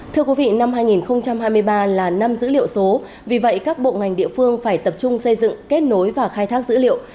thưa quý vị năm hai nghìn hai mươi ba là năm dữ liệu số vì vậy các bộ ngành địa phương phải tập trung xây dựng kết nối và khai thác dữ liệu